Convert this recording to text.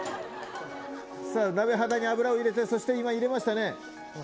さあ、鍋肌に油を入れて、そして今入れましたね。